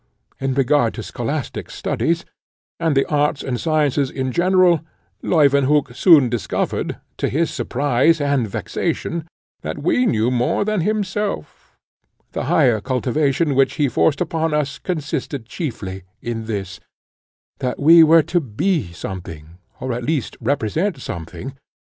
In regard to scholastic studies, and the arts and sciences in general, Leuwenhock soon discovered, to his surprise and vexation, that we knew more than himself; the higher cultivation which he forced upon us consisted chiefly in this: that we were to be something, or at least represent something.